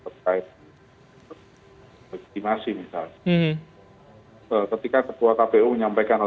dan itu juga mengatakan bahwa kita harus berpikir pikir